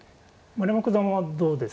丸山九段はどうですか。